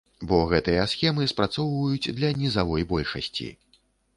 Бо гэтыя схемы спрацоўваюць для нізавой большасці.